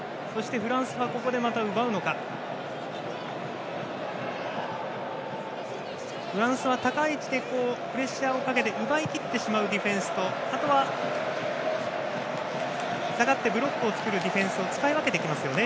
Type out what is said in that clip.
フランスは高い位置でプレッシャーをかけて奪いきってしまうディフェンスとあとは、下がってブロックを作るディフェンスを使い分けてきますよね。